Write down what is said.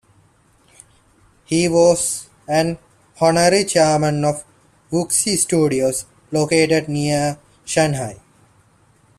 He was an Honorary Chairman of Wuxi Studios, located near Shanghai.